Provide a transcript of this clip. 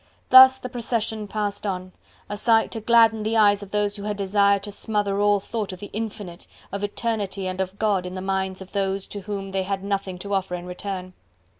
Thus the procession passed on, a sight to gladden the eyes of those who had desired to smother all thought of the Infinite, of Eternity and of God in the minds of those to whom they had nothing to offer in return.